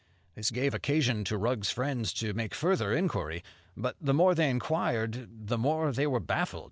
This gave occasion to Rugg's friends to make further inquiry. But the more they inquired, the more they were baffled.